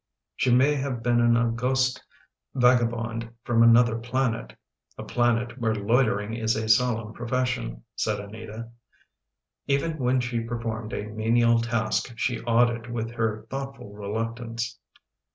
" She may have been an august vagabond from another planet — a planet where loitering is a solemn profes sion/' said Anita. " Even when she performed a menial task she awed it with her thoughtful reluctance.